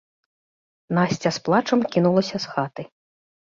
Насця з плачам кінулася з хаты.